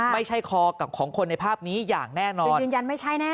ไม่ใช่คอกับของคนในภาพนี้อย่างแน่นอนยืนยันไม่ใช่แน่